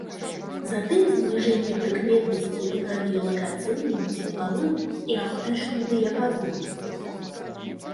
Затым зніжэнне прыкметнасці ў радыёлакацыйным, цеплавым і аптычным дыяпазонах.